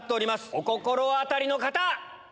お心当たりの方！